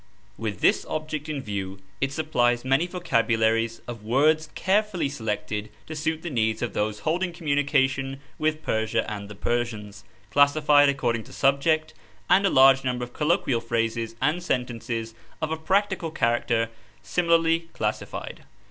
With this object in view it supplies many vocabularies of words carefully selected to suit the needs of those holding communication with Persia and the Persians, classified according to subject, and a large number of colloquial phrases and sentences of a practical character, s imilarly classified.